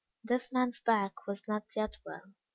This man's back was not yet well.